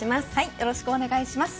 よろしくお願いします。